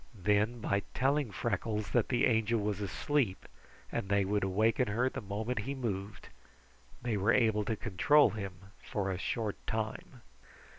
Then by telling Freckles that the Angel was asleep and they would waken her the moment he moved, they were able to control him for a short time.